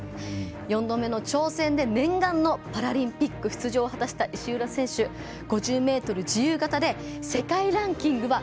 ４度目の挑戦で念願のパラリンピック出場を果たした石浦選手、５０ｍ自由形で世界ランキングは４位。